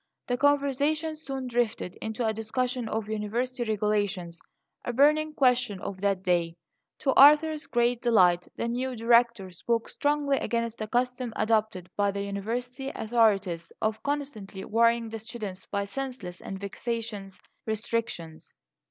The conversation soon drifted into a discussion of university regulations, a burning question of that day. To Arthur's great delight, the new Director spoke strongly against the custom adopted by the university authorities of constantly worrying the students by senseless and vexatious restrictions.